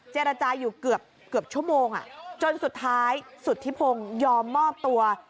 เจรจาอยู่เกือบชั่วโมงจนสุดท้ายสุธิพงศ์ยอมมอบตัว